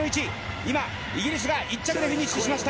今イギリスが１着でフィニッシュしました。